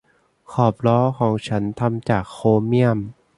ขอบล้อของฉันทำจากโครเมี่ยม